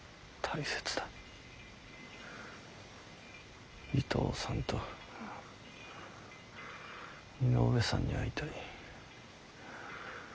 伊藤さんと井上さんに会いたい。